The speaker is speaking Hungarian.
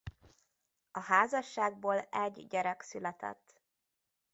A házasságból egy gyerek született.